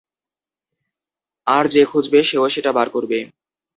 আর যে খুঁজবে সে-ও সেটা বার করবে।